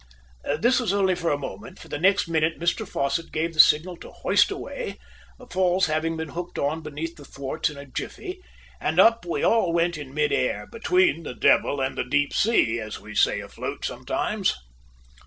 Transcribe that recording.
This was only for a moment, for the next minute Mr Fosset gave the signal to "hoist away," the falls having been hooked on beneath the thwarts in a jiffey, and up we all went in mid air, "between the devil and the deep sea," as we say afloat sometimes!